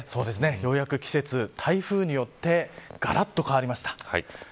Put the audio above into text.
ようやく季節、台風によってがらっと変わりました。